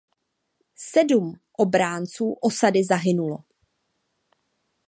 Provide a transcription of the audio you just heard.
Sedm obránců osady zahynulo.